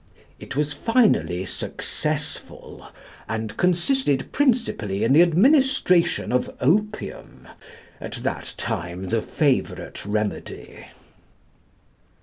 It was finally successful, and consisted principally in the administration of opium, at that time the favourite remedy."